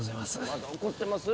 まだ怒ってます？